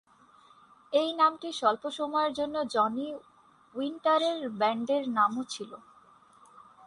এই নামটি স্বল্প সময়ের জন্য জনি উইন্টারের ব্যান্ডের নামও ছিল।